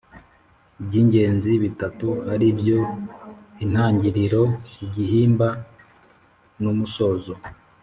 by’ingenzi bitatu, ari byo intangiriro, igihimba n’umusozo.